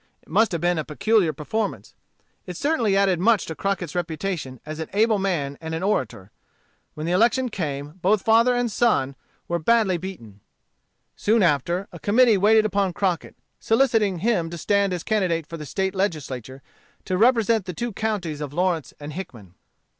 It must have been a peculiar performance. It certainly added much to Crockett's reputation as an able man and an orator. When the election came, both father and son were badly beaten. Soon after, a committee waited upon Crockett, soliciting him to stand as candidate for the State Legislature, to represent the two counties of Lawrence and Hickman.